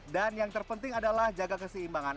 dan yang terpenting adalah jaga keseimbangan